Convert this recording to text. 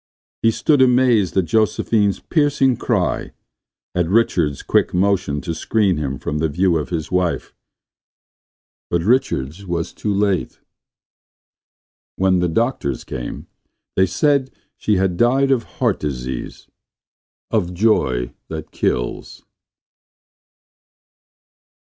He stood amazed at Josephine's piercing cry; at Richards' quick motion to screen him from the view of his wife. But Richards was too late. When the doctors came they said she had died of heart disease — of the joy that kills.